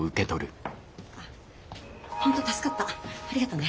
本当助かったありがとね。